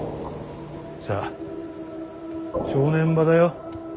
さあ正念場だよ